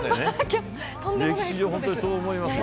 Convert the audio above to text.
歴史上、本当にそう思いますよ。